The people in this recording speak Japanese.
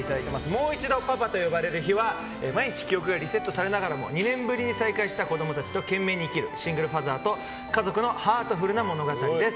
「もう一度パパと呼ばれる日」は毎日記憶がリセットされながらも２年ぶりに再会した子供たちと懸命に生きるシングルファーザーと家族のハートフルな物語です。